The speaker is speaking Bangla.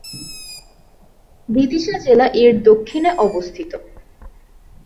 বিদিশা জেলা এর দক্ষিণে অবস্থিত।